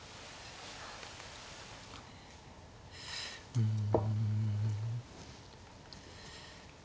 うん。